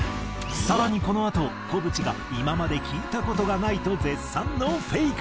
更にこのあと小渕が今まで聴いた事がないと絶賛のフェイクが。